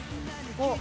あっ！